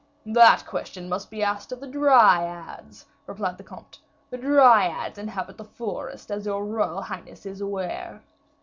"That question must be asked of the Dryads," replied the comte; "the Dryads inhabit the forest, as your royal highness is aware."